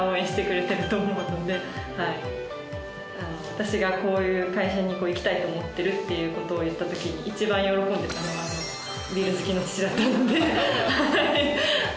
私がこういう会社に行きたいと思ってるということを言ったときにいちばん喜んでたのがビール好きの父だったのではい。